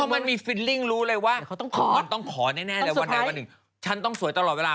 มาดูเลขตัวเลข